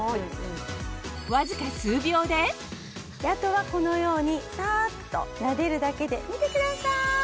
わずかあとはこのようにサっとなでるだけで見てください。